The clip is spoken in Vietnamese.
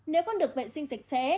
nếu con được vệ sinh sạch sẽ